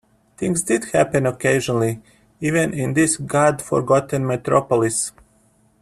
Things did happen occasionally, even in this God-forgotten metropolis.